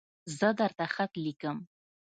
زه درته خط لیکم